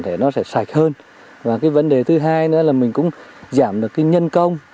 để nó sẽ sạch hơn và cái vấn đề thứ hai nữa là mình cũng giảm được cái nhân công